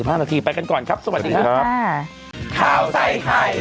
โปรดติดตามตอนต่อไป